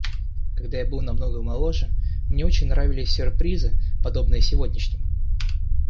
Когда я был намного моложе, мне очень нравились сюрпризы, подобные сегодняшнему.